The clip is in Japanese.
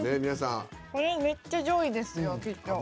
これめっちゃ上位ですよきっと。